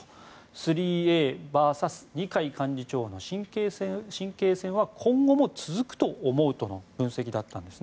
３ＡＶＳ二階幹事長の神経戦は今後も続くと思うとの分析だったんです。